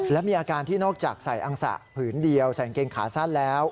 และมีอาการที่นอกจากใส่อังสะผืนเดียวใส่กางเกงขาสั้นแล้ว